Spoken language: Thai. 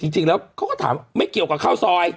จริงแล้วเขาก็ถามไม่เกี่ยวกับข้าวซอย